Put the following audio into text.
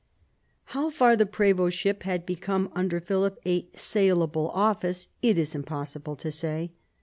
How far the pre>6tship had become under Philip a saleable office it is impossible to say.